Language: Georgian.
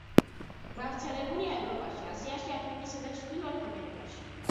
გავრცელებულია ევროპაში, აზიაში, აფრიკასა და ჩრდილოეთ ამერიკაში.